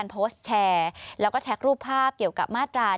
โพสต์แชร์แล้วก็แท็กรูปภาพเกี่ยวกับมาตรา๑